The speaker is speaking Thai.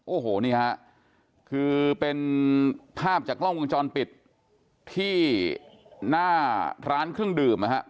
โอ้โหนี่ฮะคือเป็นภาพจากกล้องวงจรปิดที่หน้าร้านเครื่องดื่มนะฮะ